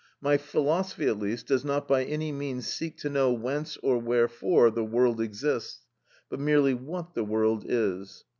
My philosophy, at least, does not by any means seek to know whence or wherefore the world exists, but merely what the world is.